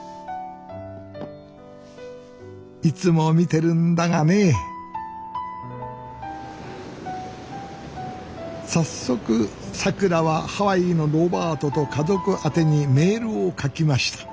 いつも見てるんだがね早速さくらはハワイのロバートと家族宛てにメールを書きました。